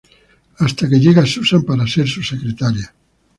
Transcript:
Hasta que llega Susan para ser su secretaria.